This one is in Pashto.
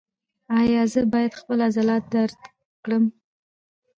ایا زه باید خپل عضلات درد کړم؟